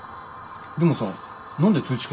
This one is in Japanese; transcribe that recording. でもさ何で通知